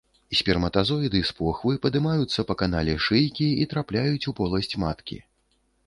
Сперматазоіды з похвы падымаюцца па канале шыйкі і трапляюць у поласць маткі.